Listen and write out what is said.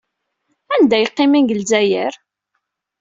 Anda ay qqimen deg Lezzayer?